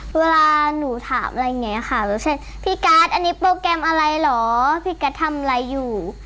เวลาหนูถามอะไรอย่างนี้ค่ะรู้สึกพี่การ์ดอันนี้โปรแกรมอะไรเหรอพี่กัสทำอะไรอยู่